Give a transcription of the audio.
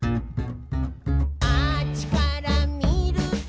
「あっちからみると」